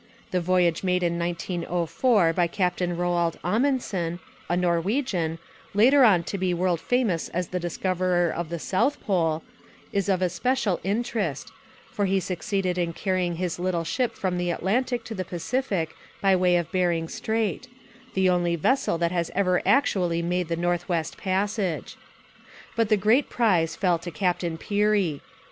The voyage made in 1904 by Captain Roald Amundsen, a Norwegian, later on to be world famous as the discoverer of the South Pole, is of especial interest, for he succeeded in carrying his little ship from the Atlantic to the Pacific by way of Bering Strait the only vessel that has ever actually made the North West Passage. But the great prize fell to Captain Peary.